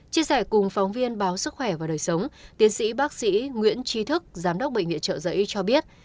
chia sẻ cùng phóng viên báo sức khỏe và đời sống tiến sĩ bác sĩ nguyễn trí thức giám đốc bệnh viện trợ giấy cho biết